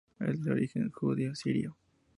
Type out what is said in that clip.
Es de origen judeo-sirio.